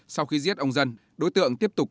sau khi giết ông dân đối tượng tiếp tục